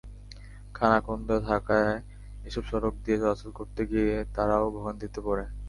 খানাখন্দ থাকায় এসব সড়ক দিয়ে চলাচল করতে গিয়ে তারাও ভোগান্তিতে পড়ে।